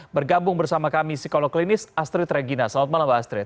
bergabung bersama kami psikolog klinis astrid regina selamat malam mbak astrid